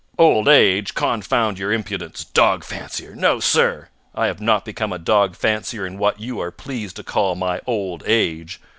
"Old age! Confound your impudence! Dog fancier! No, sir! I have not become a dog fancier in what you are pleased to call my old age!